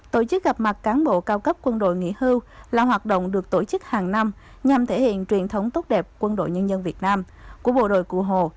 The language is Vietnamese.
tổ chức gặp mặt cán bộ cao cấp quân đội nghỉ hưu là hoạt động được tổ chức hàng năm nhằm thể hiện truyền thống tốt đẹp quân đội nhân dân việt nam của bộ đội cụ hồ